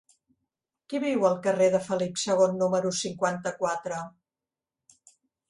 Qui viu al carrer de Felip II número cinquanta-quatre?